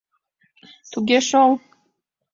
— Туге шол